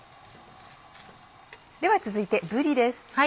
では続いてぶりです。